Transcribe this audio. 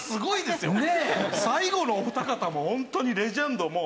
最後のお二方もホントにレジェンドもう。